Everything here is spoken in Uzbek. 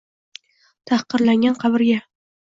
Tahqirlangan qabrga.